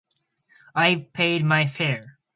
I’ve paid my fare.